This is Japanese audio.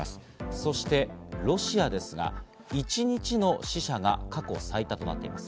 そしてロシアですが、一日の死者が過去最多となっています。